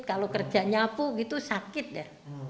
kalau kerja nyapu gitu sakit ya